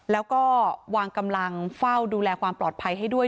แล้วก็วางกำลังเฝ้าดูแลความปลอดภัยให้ด้วย